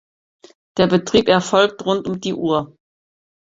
Der Betrieb erfolgt rund um die Uhr.